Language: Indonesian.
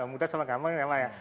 mudah sama gampang ya namanya